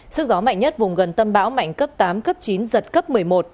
sức gió mạnh nhất vùng gần tâm bão mạnh cấp tám cấp chín giật cấp một mươi một